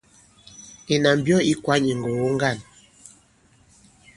Ìnà mbyɔ ì kwany ì ŋgògo ŋgân.